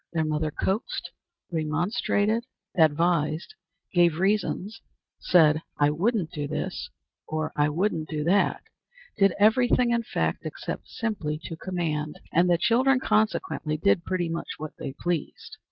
Their mother coaxed, remonstrated, advised, gave reasons, said "I wouldn't do this," or "I wouldn't do that," did every thing, in fact, except simply to command; and the children, consequently, did pretty much what they pleased.